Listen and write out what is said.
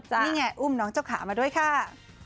นี่ไงอุ้มน้องเจ้าขามาด้วยค่ะ